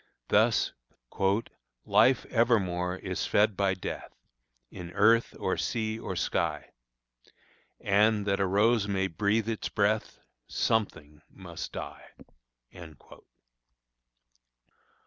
Thus, "Life evermore is fed by death, In earth, or sea, or sky; And, that a rose may breathe its breath, Something must die."